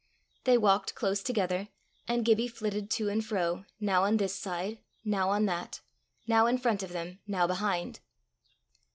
They walked close together, and Gibbie flitted to and fro, now on this side, now on that, now in front of them, now behind.